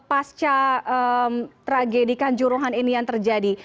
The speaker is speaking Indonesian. pasca tragedikan juruhan ini yang terjadi